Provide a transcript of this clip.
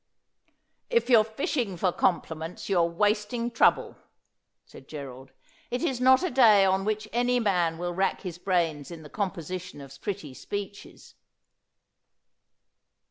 ' If you are fishing for compliments, you are wasting trouble,' said Gerald. ' It is not a day on which any man will rack bis brains in the composition of pretty speeches.'